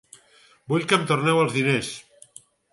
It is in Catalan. Vull que em torneu els diners.